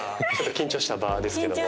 緊張した場ですけども。